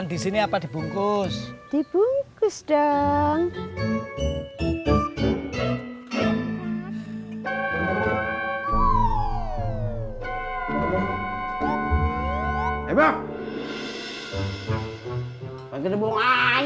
dia berduanya jadi biar gampang